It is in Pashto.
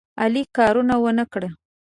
علي کار ونه کړ.